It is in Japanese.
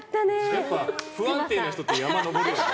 やっぱ不安定な人って山登るよね。